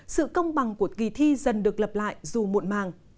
sự công bằng của kỳ thi dần được lập lại dù muộn màng